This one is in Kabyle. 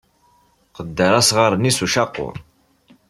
Qedder asɣar-nni s ucaqur.